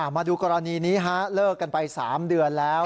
มาดูกรณีนี้ฮะเลิกกันไป๓เดือนแล้ว